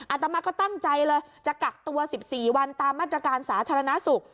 ตมาก็ตั้งใจเลยจะกักตัว๑๔วันตามมาตรการสาธารณสุข